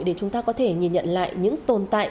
để chúng ta có thể nhìn nhận lại những tồn tại